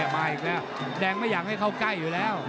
มาอีกแล้วแดงไม่อยากให้เข้าใกล้อยู่แล้ว